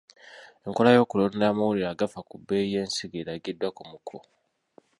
Enkola y’okulondoola amawulire agafa ku bbeeyi y’ensigo eragiddwa ku muko.